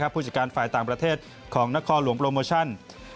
ผู้จัดการฝ่ายต่างประเทศของนครหลวงโปรโมชั่น